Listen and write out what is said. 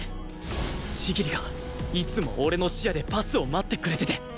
千切がいつも俺の視野でパスを待ってくれてて